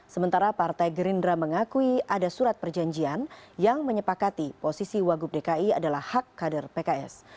sementara partai gerindra mengakui ada surat perjanjian yang menyepakati posisi wagub dki adalah hak kader pks